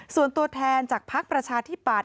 ส่วนตัวแทนจากพรรคประชาที่ปาด